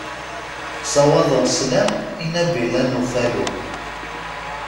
Sawaḍeɣ sslam i Nabila n Ufalu.